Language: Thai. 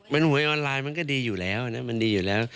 มันหวยออนไลน์มันก็ดีอยู่แล้วนะมันดีอยู่แล้ว